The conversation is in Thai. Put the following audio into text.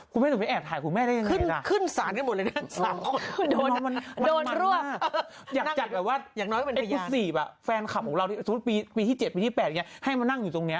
ครูแม่หนูไปแอบถ่ายครูแม่ได้ยังไงล่ะขึ้นสารกันหมดเลยนะ๓คนโดนร่วมมากอยากจัดแบบว่าไอ้ครูสีบแฟนคลับของเราสมมุติปีที่๗ปีที่๘อย่างเงี้ยให้มานั่งอยู่ตรงเนี่ย